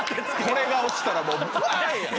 これが落ちたらバンや！